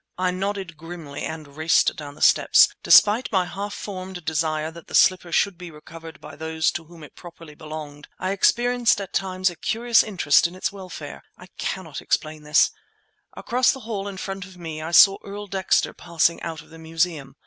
I nodded grimly and raced down the steps. Despite my half formed desire that the slipper should be recovered by those to whom properly it belonged, I experienced at times a curious interest in its welfare. I cannot explain this. Across the hall in front of me I saw Earl Dexter passing out of the Museum.